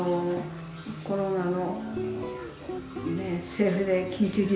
コロナの。